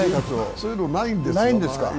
そういうのないんですけど。